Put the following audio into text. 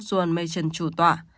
john machen chủ tọa